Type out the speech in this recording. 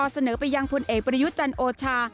เสนอไปยังพลเอกประยุทธ์จันโอชา